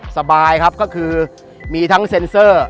สบายครับก็คือมีทั้งเซ็นเซอร์